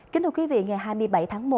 kính thưa quý vị ngày hai mươi bảy một